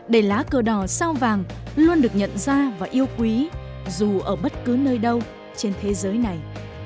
để lá cờ đỏ sao vàng luôn được nhận ra và yêu quý dù ở bất cứ nơi đâu trên thế giới này